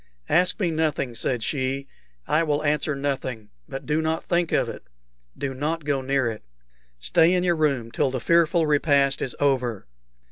"Ask me nothing," said she. "I will answer nothing; but do not think of it. Do not go near it. Stay in your room till the fearful repast is over."